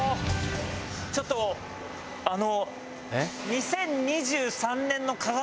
ちょっとあの。